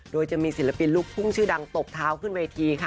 โดยจะมีศิลปินลูกทุ่งชื่อดังตบเท้าขึ้นเวทีค่ะ